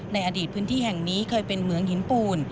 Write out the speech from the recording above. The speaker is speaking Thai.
ในอดีตพื้นที่แห่งนี้เคยเป็นเหมืองหินปูน